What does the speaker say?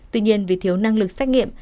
tuy nhiên vì thiếu năng lực xét nghiệm